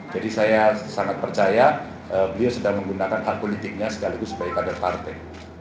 jadi saya sangat percaya beliau sudah menggunakan hak politiknya segalanya sebagai kader partai